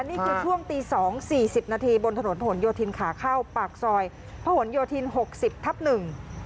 นี่คือช่วงตี๒สี่สิบนาทีบนถนนพะห่นโยธินขาเข้าปากซอยพะห่นโยธิน๖๐ทับหนึ่ง